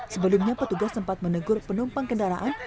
sebelumnya petugas sempat menegur penumpang kendaraan